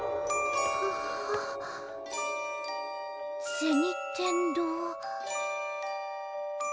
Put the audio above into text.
銭天堂。